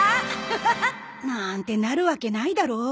アハハハ！なんてなるわけないだろう。